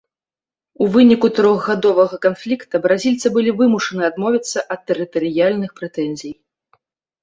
У выніку трохгадовага канфлікта бразільцы былі вымушаны адмовіцца ад тэрытарыяльных прэтэнзій.